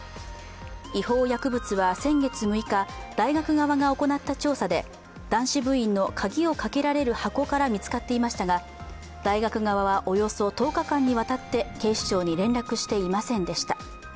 違法薬物は先月６日大学側が行った調査で男子部員の鍵をかけられる箱から見つかっていましたが、大学側はおよそ１０日間にわたって警視庁に連絡していませんでした。